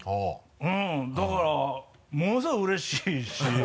うんだからものすごいうれしいし。